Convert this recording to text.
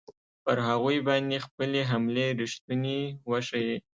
پر هغوی باندې خپلې حملې ریښتوني وښیي.